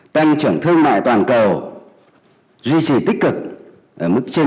tăng trưởng thương mại toàn cầu duy trì tích cực ở mức trên